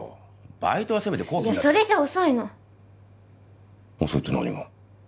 バイトはせめて後期いやそれじゃ遅いの遅いって何が？